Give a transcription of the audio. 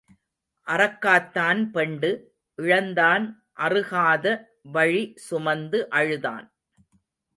அறக்காத்தான் பெண்டு இழந்தான் அறுகாத வழி சுமந்து அழுதான்.